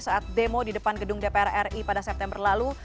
saat demo di depan gedung dpr ri pada september lalu